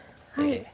はい。